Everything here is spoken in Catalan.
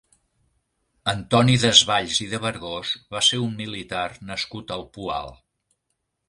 Antoni Desvalls i de Vergós va ser un militar nascut al Poal.